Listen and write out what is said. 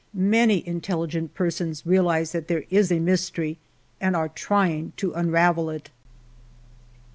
Many intelligent persons realize that there is a mystery and are trying to unravel it.'